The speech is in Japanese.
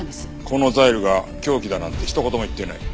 このザイルが凶器だなんて一言も言っていない。